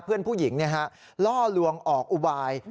เพื่อนผู้หญิงล่อลวงออกอุบาย